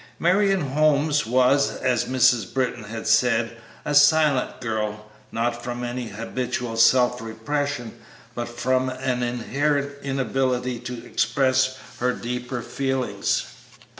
Marion Holmes was, as Mrs. Britton had said, a silent girl; not from any habitual self repression, but from an inherent inability to express her deeper feelings.